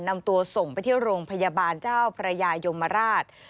นำตัวส่งไปที่โรงพยาบาลเจ้าพระยายมราช